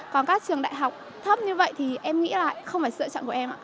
còn các trường đại học thấp như vậy thì em nghĩ là không phải sự lựa chọn của em